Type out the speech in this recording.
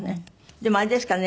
でもあれですかね？